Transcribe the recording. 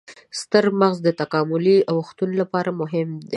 ستر مغز د تکاملي اوښتون لپاره مهم و.